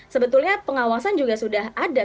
sebetulnya pengawasan juga sudah ada